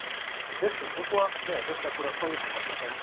「デスク僕はもう絶対これは顔写真出しません。